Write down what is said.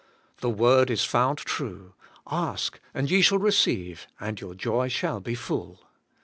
The word is found true: *Ask and ye shall receive, and your joy shall be full.'